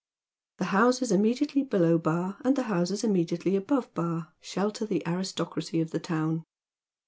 The houses im mediately below Bar, and the houses immediately above Bar, shelter the aristocracy of the town.